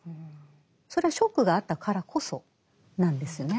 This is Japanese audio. それはショックがあったからこそなんですよね。